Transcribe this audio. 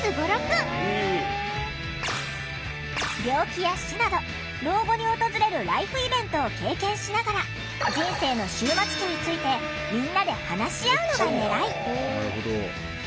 病気や死など老後に訪れるライフイベントを経験しながら人生の終末期についてみんなで話し合うのがねらい。